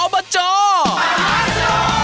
อบจมหาสนุก